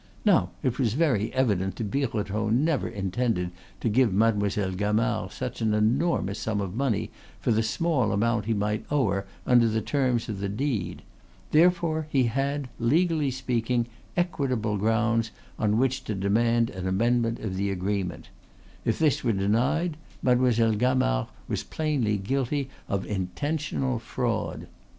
Now it was very evident that Birotteau never intended to give Mademoiselle Gamard such an enormous sum of money for the small amount he might owe her under the terms of the deed; therefore he had, legally speaking, equitable grounds on which to demand an amendment of the agreement; if this were denied, Mademoiselle Gamard was plainly guilty of intentional fraud.